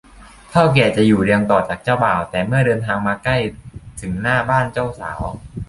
เถ้าแก่จะอยู่เรียงต่อจากเจ้าบ่าว แต่เมื่อเดินทางมาใกล้ถึงหน้าบ้านเจ้าสาว